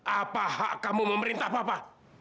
apa hak kamu memerintah papa